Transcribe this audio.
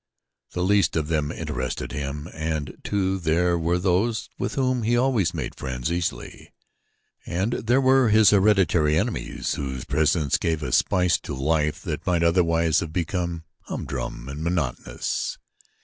The least of them interested him, and, too, there were those with whom he always made friends easily, and there were his hereditary enemies whose presence gave a spice to life that might otherwise have become humdrum and monotonous.